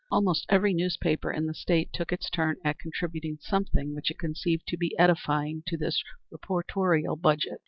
Almost every newspaper in the State took its turn at contributing something which it conceived to be edifying to this reportorial budget.